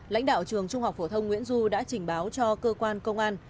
lãnh đạo trường trung học phổ thông nguyễn du đã trình báo cho cơ quan công an